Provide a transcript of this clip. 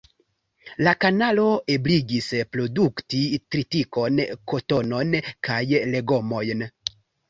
La kanalo ebligis produkti tritikon, kotonon kaj legomojn.